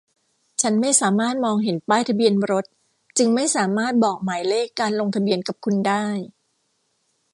ฉันไม่สามารถมองเห็นป้ายทะเบียนรถจึงไม่สามารถบอกหมายเลขการลงทะเบียนกับคุณได้